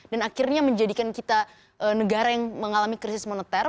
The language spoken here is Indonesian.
dan akhirnya menjadikan kita negara yang mengalami krisis moneter